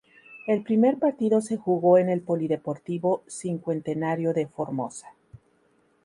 El primer partido se jugó en el Polideportivo Cincuentenario de Formosa.